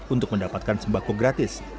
untuk mendapatkan sembako gratis